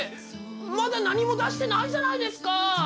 まだ何も出してないじゃないですか。